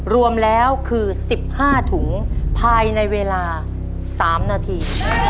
รวมแล้วคือสิบห้าถุงภายในเวลาสามนาที